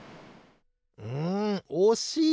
うんおしい！